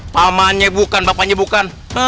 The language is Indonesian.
pamanya bukan bapaknya bukan